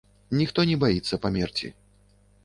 Ніхто не баіцца памерці.